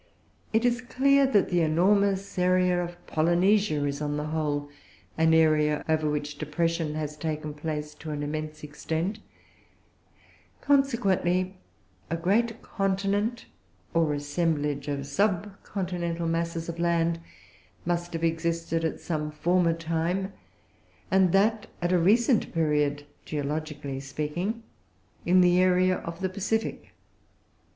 It is clear that the enormous area of Polynesia is, on the whole, an area over which depression has taken place to an immense extent; consequently a great continent, or assemblage of subcontinental masses of land must have existed at some former time, and that at a recent period, geologically speaking, in the area of the Pacific.